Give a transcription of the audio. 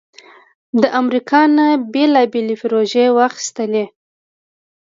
د امریکا نه بیلابیلې پروژې واخستلې